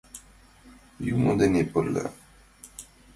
— Юмо дене пырля!